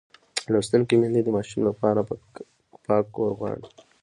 لوستې میندې د ماشوم لپاره پاک کور غواړي.